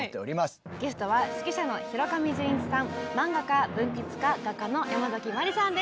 ゲストは指揮者の広上淳一さん漫画家文筆家画家のヤマザキマリさんです。